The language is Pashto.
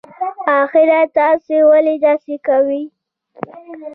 اخر تاسي ولې داسی کوئ